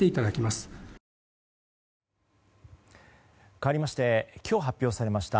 かわりまして今日発表されました